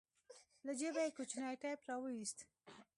له جيبه يې کوچنى ټېپ راوايست.